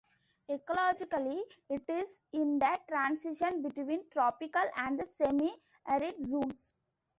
Ecologically, it is in the transition between tropical and semi-arid zones.